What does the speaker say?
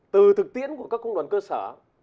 từ thực tiễn của các công đoàn cơ sở